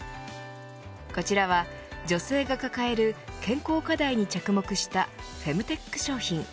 こちらは女性が抱える健康課題に着目したフェムテック商品。